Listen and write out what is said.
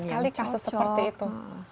sekali kasus seperti itu